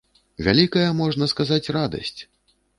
Вялікая, можна сказаць, радасць!